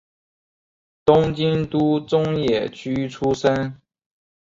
东京都中野区出生。